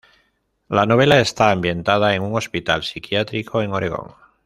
La novela está ambientada en un hospital psiquiátrico en Oregón.